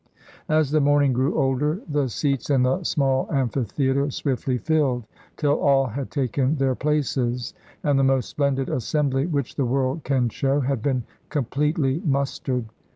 As the morning grew older, the seats in the small amphitheater swiftly filled, till all had taken their places, and the most splendid assembly which the world can show had been completely mustered.